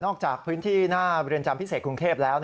จากพื้นที่หน้าเรือนจำพิเศษกรุงเทพแล้ว